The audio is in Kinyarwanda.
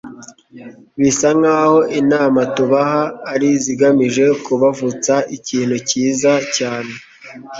bisa nk'aho inama tubaha ari izigamije kubavutsa ikintu cyiza cyane